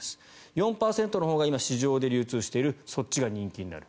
４％のほうが今、市場で流通しているそっちが人気になる。